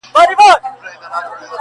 لکه اسمان چي له ملیاره سره لوبي کوي!.